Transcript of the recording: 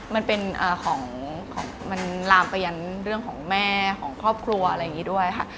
มันเป็นของมันลามไปยันเรื่องของแม่ของครอบครัวอะไรอย่างนี้ด้วยค่ะ